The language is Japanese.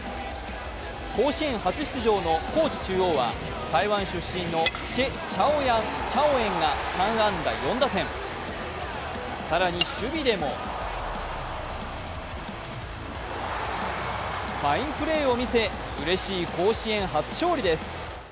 甲子園初出場の高知中央は台湾出身の謝喬恩が３安打４打点、更に守備でもファインプレーを見せ、うれしい甲子園初勝利です。